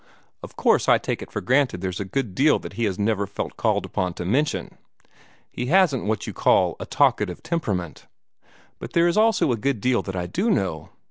"Of course I take it for granted there's a good deal that he has never felt called upon to mention. He hasn't what you may call a talkative temperament. But there is also a good deal that I do know.